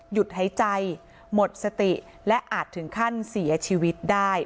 หยุดหายใจหมดสติและอาจถึงขั้นเสียชีวิตได้